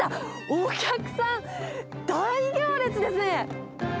お客さん、大行列ですね。